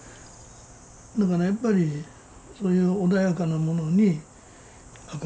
だからやっぱりそういう穏やかなものに憧れてきたんよね